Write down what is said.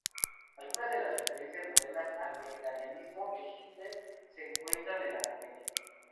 Algunas de las referencias modernas al vegetarianismo de Hitler se encuentran en la comedia.